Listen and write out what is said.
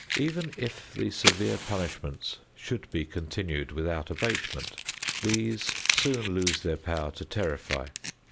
Even if the severe punishments should be continued without abatement, these soon lose their power to terrify.